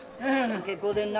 結構でんな。